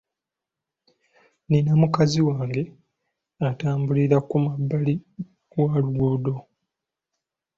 Nina mukazi wange atambulira ku mabbali wa luguudo.